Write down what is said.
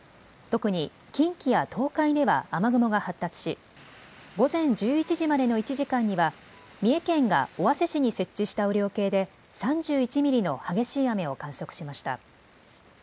特に近畿や東海では雨雲が発達し午前１１時までの１時間には三重県が尾鷲市に設置した雨量計で３１ミリの激しい雨を観測しました。